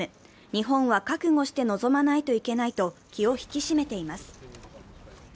日本は覚悟して臨まないといけないと気を引き締めています。